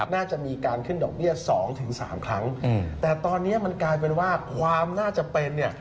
น่าจะมีการขึ้นดอกเบี้ย๒๓ครั้งแต่ตอนนี้มันกลายเป็นว่าความน่าจะเป็น